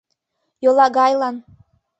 Йолагайлан!